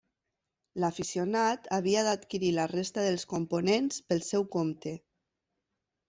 L'aficionat havia d'adquirir la resta dels components pel seu compte.